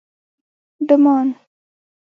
_ډمان